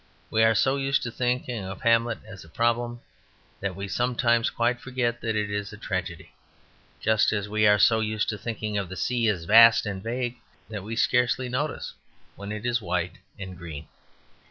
We are so used to thinking of "Hamlet" as a problem that we sometimes quite forget that it is a tragedy, just as we are so used to thinking of the sea as vast and vague, that we scarcely notice when it is white and green.